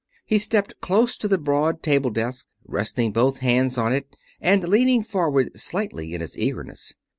He stepped close to the broad table desk, resting both hands on it and leaning forward slightly in his eagerness.